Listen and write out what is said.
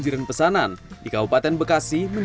jelang lebaran jasa sewap kering